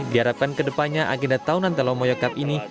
diharapkan kedepannya agenda tahunan telomoyo cup ini